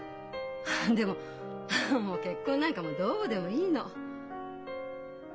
あでももう結婚なんかもうどうでもいいの。